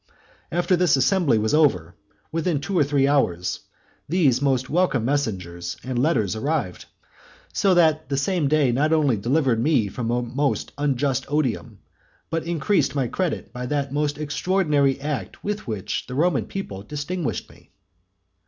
After this assembly was over, within two or three hours, these most welcome messengers and letters arrived; so that the same day not only delivered me from a most unjust odium, but increased my credit by that most extraordinary act with which the Roman people distinguished me.